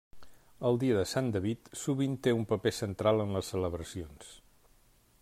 El dia de Sant David sovint té un paper central en les celebracions.